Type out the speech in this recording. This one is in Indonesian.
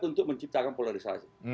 untuk menciptakan polarisasi